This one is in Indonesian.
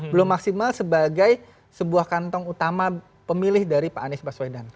belum maksimal sebagai sebuah kantong utama pemilih dari pak anies baswedan